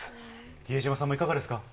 比江島さんもいかがですか？